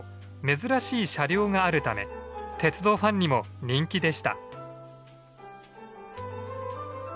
珍しい車両があるため鉄道ファンにも人気でした。